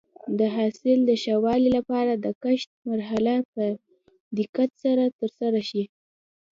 د حاصل د ښه والي لپاره د کښت مرحله په دقت سره ترسره شي.